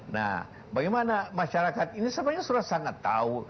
nah bagaimana masyarakat ini sebenarnya sudah sangat tahu